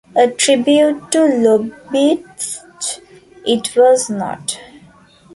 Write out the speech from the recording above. A tribute to Lubitsch, it was not.